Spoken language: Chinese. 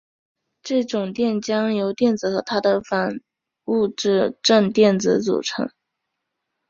这种电浆由电子和它的反物质正电子组成。